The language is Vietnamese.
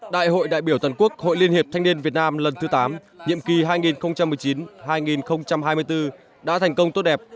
đại hội đại biểu tần quốc hội liên hiệp thanh niên việt nam lần thứ tám nhiệm kỳ hai nghìn một mươi chín hai nghìn hai mươi bốn đã thành công tốt đẹp